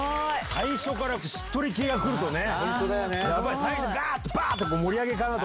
最初からしっとり系がくるとね。